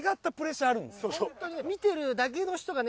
見てるだけの人がね